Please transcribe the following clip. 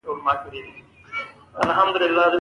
د دې ځای او ژړا ترمنځ یو دیوال دی.